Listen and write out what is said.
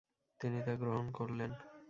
তিনি তা গ্রহণ করেন।